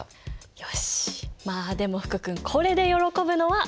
よしまあでも福くんこれで喜ぶのはまだ早い。